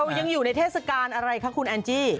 ยังอยู่ในเทศกาลอะไรคะคุณแอนจี้